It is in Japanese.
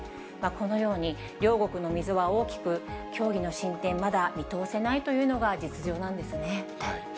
このように、両国の溝は大きく、協議の進展、まだ見通せないというのが実情なんですね。